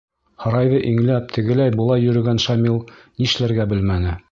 Һарайҙы иңләп тегеләй-былай йөрөгән Шамил нишләргә белмәне.